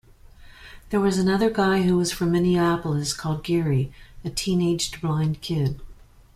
There was another guy who was from Minneapolis called Gary, a teenaged blind kid.